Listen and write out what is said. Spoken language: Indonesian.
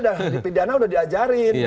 di pidana udah diajarin